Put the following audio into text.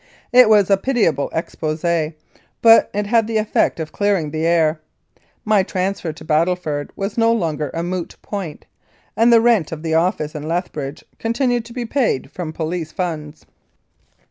It was a pitiable expose*, but it had the effect of clearing the air. My transfer to Battleford was no longer a moot point, and the rent of the office in Lethbridge continued to be paid from police funds.